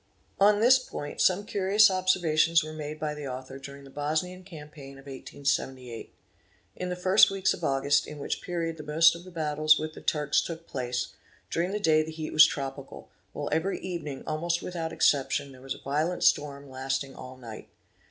On this point some curious observations were made by the author : during the Bosnian Campaign of 1878. In the first weeks of August, EMPL TENTEE A TL SEY AC RARE OH £0 eds HP! TI Gs 1 in which period the most of the battles with the Turks took place, during 'the day the heat was tropical, while every evening, almost without ex _ ception, there was a violent storm lasting all.night.